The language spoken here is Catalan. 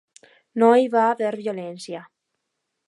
No hi va haver violència.